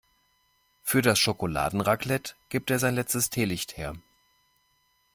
Für das Schokoladenraclette gibt er sein letztes Teelicht her.